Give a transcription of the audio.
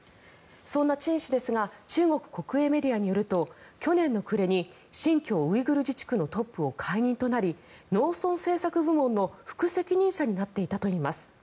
そんなチン氏ですが中国国営メディアによると去年の暮れに新疆ウイグル自治区のトップを解任となり農村政策部門の副責任者になっていたといいます。